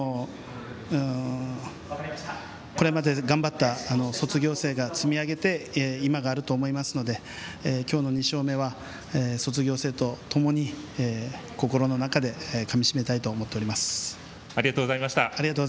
これまで頑張った卒業生が積み上げて今があると思いますので今日の２勝目は卒業生とともに心の中でかみ締めたいとありがとうございました。